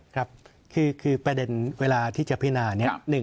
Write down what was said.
ครับคือแปรเดินเวลาที่จะพิจารณา